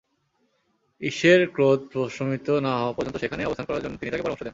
ঈসের ক্রোধ প্রশমিত না হওয়া পর্যন্ত সেখানে অবস্থান করার জন্যে তিনি তাকে পরামর্শ দেন।